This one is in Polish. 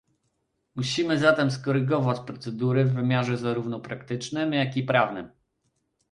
Musimy zatem skorygować procedury w wymiarze zarówno praktycznym, jak i prawnym